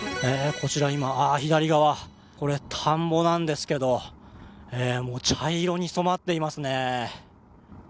こちら今、左側これ、田んぼなんですけどもう、茶色に染まっていますね。